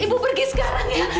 ibu pergi sekarang ya